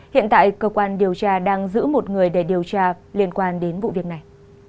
hiện tại cơ quan điều tra đang giữ một người để điều tra liên quan đến vụ việc này